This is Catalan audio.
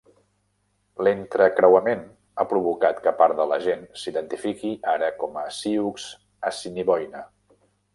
L'entrecreuament ha provocat que part de la gent s'identifiqui ara com a "sioux assiniboine".